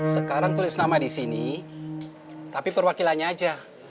sekarang tulis nama di sini tapi perwakilannya aja